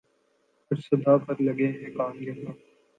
ہر صدا پر لگے ہیں کان یہاں